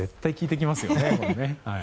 絶対、聞いてきますよね。